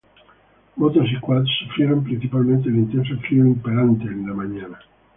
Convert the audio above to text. Motos y Quads sufrieron principalmente el intenso frío imperante en la mañana.